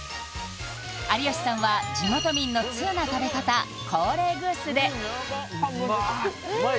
有吉さんは地元民の通な食べ方コーレーグースで・うまーい！